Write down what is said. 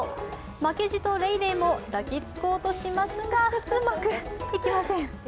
負けじとレイレイも抱きつこうとしますが、うまくいきません。